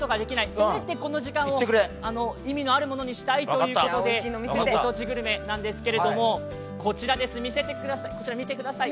せめてこの時間を意味のあるものにしたいということでご当地グルメなんですけど、こちらです。